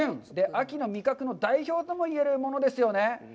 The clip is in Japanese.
秋の味覚の代表とも言えるものですよね。